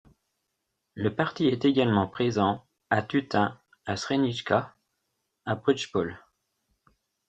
Le parti est également présent à Tutin, à Sjenica, à Prijepolje.